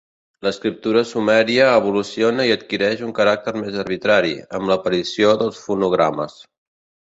L'escriptura sumèria evoluciona i adquireix un caràcter més arbitrari, amb l'aparició dels fonogrames.